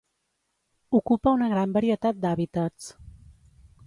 Ocupa una gran varietat d'hàbitats.